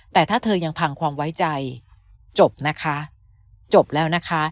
แต่ถ้าเธอยังพังความไว้ใจจบนะคะจบแล้วนะคะ